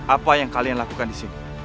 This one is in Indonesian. apa yang kalian lakukan disini